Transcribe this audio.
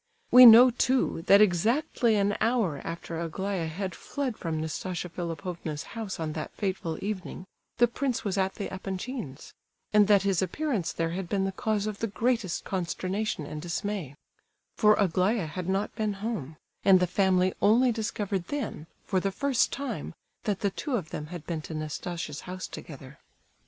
We know, too, that exactly an hour after Aglaya had fled from Nastasia Philipovna's house on that fateful evening, the prince was at the Epanchins',—and that his appearance there had been the cause of the greatest consternation and dismay; for Aglaya had not been home, and the family only discovered then, for the first time, that the two of them had been to Nastasia's house together.